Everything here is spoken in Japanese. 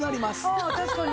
ああ確かに。